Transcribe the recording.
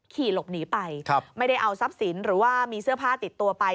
ขี่หลบหนีไปไม่ได้เอาทรัพย์สินหรือว่ามีเสื้อผ้าติดตัวไป